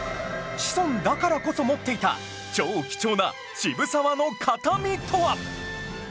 シソンだからこそ持っていた超貴重な渋沢の形見とは